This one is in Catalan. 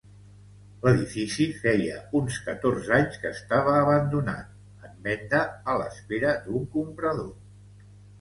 L'edifici feia uns catorze anys que estava abandonat, en venda a l'espera d'un comprador.